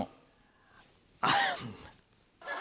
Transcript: あっ。